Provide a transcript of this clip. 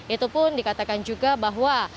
itu pun dikatakan juga bahwa